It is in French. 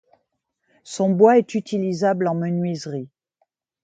Son bois est utilisable en menuiserie.